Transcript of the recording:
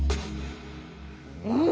うん！